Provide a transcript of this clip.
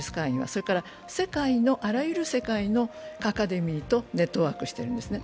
それから、あらゆる世界のアカデミーとネットワークしているんですね。